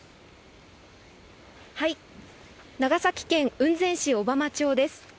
長崎県雲仙市小浜町です。